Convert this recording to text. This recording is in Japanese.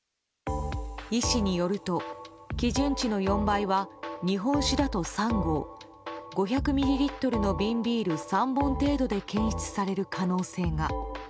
医師によると、基準値の４倍は日本酒だと３合５００ミリリットルの瓶ビール３本程度で検出される可能性が。